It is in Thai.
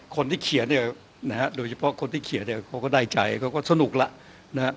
คนที่เขียนเนี่ยนะฮะโดยเฉพาะคนที่เขียนเนี่ยเขาก็ได้ใจเขาก็สนุกแล้วนะฮะ